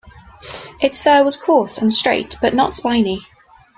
Its fur was coarse and straight, but not spiny.